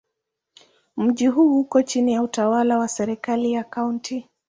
Mji huu uko chini ya utawala wa serikali ya Kaunti.